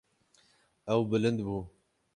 Ew bilind bû.